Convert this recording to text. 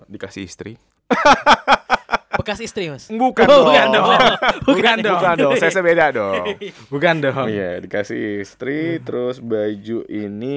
dikasih istri hahaha bekas istri bukan dong bukan dong bukan dong ya dikasih istri terus baju ini